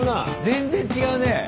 全然違うねえ。